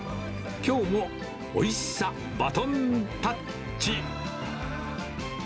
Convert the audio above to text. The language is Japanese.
きょうもおいしさバトンタッチ。